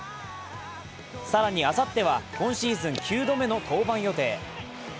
更に、あさっては今シーズン９度目の登板予定。